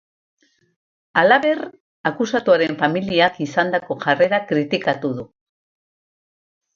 Halaber, akusatuaren familiak izandako jarrera kritikatu du.